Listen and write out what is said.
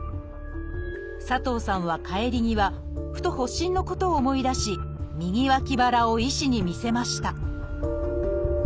佐藤さんは帰り際ふと発疹のことを思い出し右脇腹を医師に見せました。